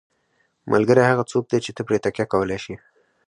ملګری هغه څوک دی چې ته پرې تکیه کولی شې.